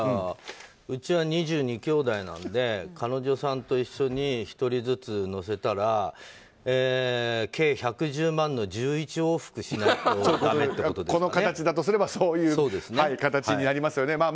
うちは２２きょうだいなので彼女さんと一緒に１人ずつ乗せたら計１１０万の１１往復しないとこの形だとすればそういう形になりますね。